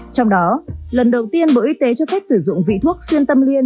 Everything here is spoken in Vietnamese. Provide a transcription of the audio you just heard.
trong đó lần đầu tiên bộ y tế cho phép sử dụng vị thuốc xuyên tâm liên